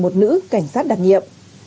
một nữ cảnh sát đặc nhiệm